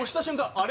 「あれ？」